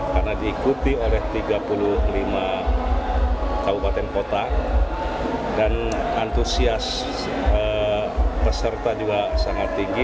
karena diikuti oleh tiga puluh lima kabupaten kota dan antusias peserta juga sangat tinggi